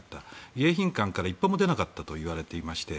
迎賓館から一歩も出なかったといわれていまして